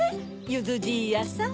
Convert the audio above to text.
ゆずじいやさん。